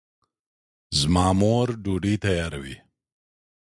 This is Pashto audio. زما مور ډوډۍ تیاروي